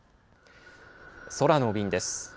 空の便です。